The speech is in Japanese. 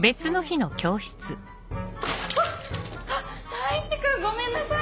大地君ごめんなさい。